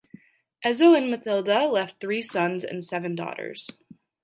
Ezzo and Mathilda left three sons and seven daughters.